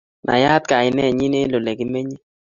Nayaat kainenyi eng olegimenye